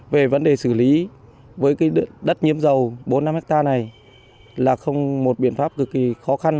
về vấn đề xử lý với đất nhiễm dầu bốn năm hectare này là không một biện pháp cực kỳ khó khăn